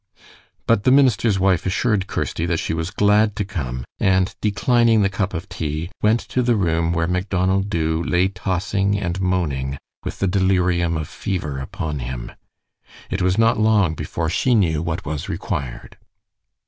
But the minister's wife assured Kirsty that she was glad to come, and declining the cup of tea, went to the room where Macdonald Dubh lay tossing and moaning with the delirium of fever upon him. It was not long before she knew what was required.